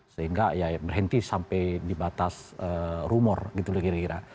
sehingga berhenti sampai dibatas rumor